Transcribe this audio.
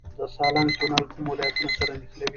د سالنګ تونل کوم ولایتونه سره نښلوي؟